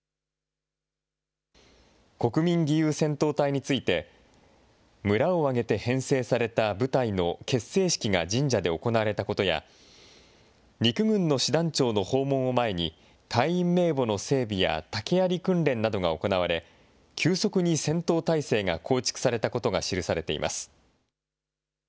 国民義勇戦闘隊について、村を挙げて編成された部隊の結成式が神社で行われたことや、陸軍の師団長の訪問を前に、隊員名簿の整備や竹やり訓練などが行われ、急速に戦闘態勢が構築されたことが記されています。